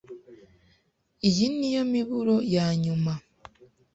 Iyi niyo miburo yanyuma.